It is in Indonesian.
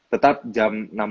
tetap jam enam belas